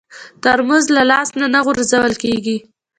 ترموز له لاسه نه غورځول کېږي.